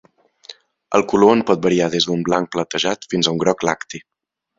El color en pot variar des d'un blanc platejat fins a un groc lacti.